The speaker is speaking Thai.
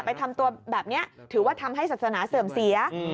ทำตัวแบบนี้ถือว่าทำให้ศาสนาเสื่อมเสีย